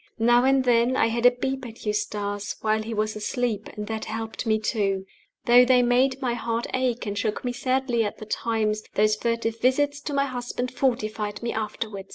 Now and then I had a peep at Eustace, while he was asleep; and that helped me too. Though they made my heart ache and shook me sadly at the times those furtive visits to my husband fortified me afterward.